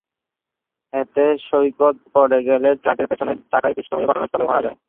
এতে সৈকত পড়ে গেলে ট্রাকের পেছনের চাকায় পিষ্ট হয়ে ঘটনাস্থলেই মারা যায়।